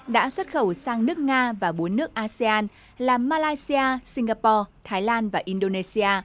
đã xuất khẩu sang nước nga và bốn nước asean là malaysia singapore thái lan và indonesia